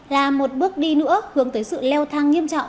là một bước đi nữa hướng tới sự leo thang nghiêm trọng